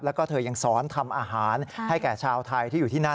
แล้วก็เธอยังสอนทำอาหารให้แก่ชาวไทยที่อยู่ที่นั่น